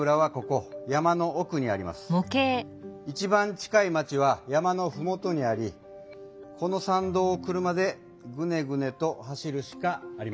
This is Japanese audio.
一番近い町は山のふもとにありこのさんどうを車でグネグネと走るしかありません。